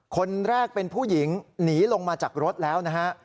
คนแรกเป็นผู้หญิงหนีลงมาจากรถแล้วนะฮะ